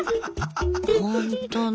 ほんとに。